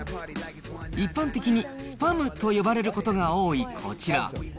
一般的にスパムと呼ばれることが多いこちら。